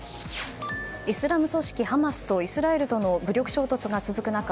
イスラム組織ハマスとイスラエル軍の武力衝突が続く中